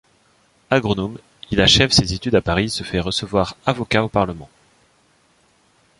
Agronome, il achève ses études à Paris et se fait recevoir avocat au Parlement.